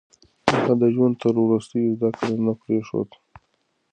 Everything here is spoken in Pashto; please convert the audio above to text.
هغه د ژوند تر وروستيو زده کړه نه پرېښوده.